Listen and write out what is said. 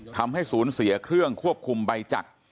ทำให้ศูนย์เสียเครื่องควบคุมใบจักร